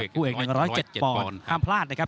คู่เอกร้อยร้อยเจ็ดปอนครับห้ามพลาดนะครับ